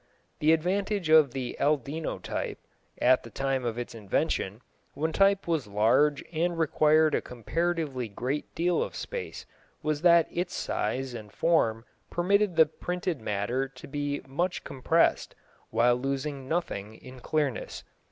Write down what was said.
The advantage of the Aldino type, at the time of its invention, when type was large and required a comparatively great deal of space, was that its size and form permitted the printed matter to be much compressed, while losing nothing in clearness.